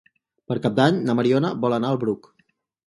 Per Cap d'Any na Mariona vol anar al Bruc.